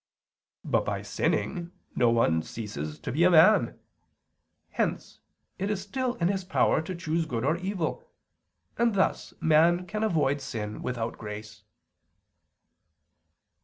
But by sinning no one ceases to be a man. Hence it is still in his power to choose good or evil; and thus man can avoid sin without grace.